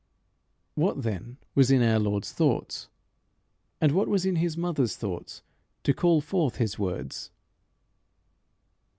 What, then, was in our Lord's thoughts? and what was in his mother's thoughts to call forth his words?